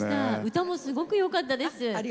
歌もすごくよかったです。